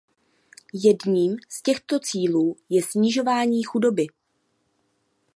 Jedním z těchto cílů je snižování chudoby.